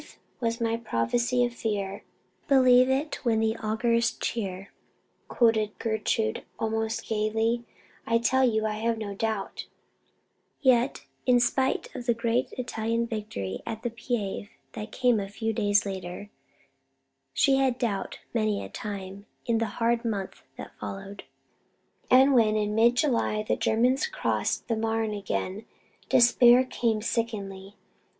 "Sooth was my prophecy of fear Believe it when it augurs cheer," quoted Gertrude, almost gaily. "I tell you I have no doubt." Yet, in spite of the great Italian victory at the Piave that came a few days later, she had doubt many a time in the hard month that followed; and when in mid July the Germans crossed the Marne again despair came sickeningly.